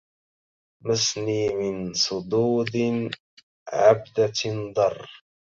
مسني من صدود عبدة ضر